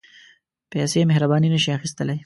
پېسې مهرباني نه شي اخیستلای.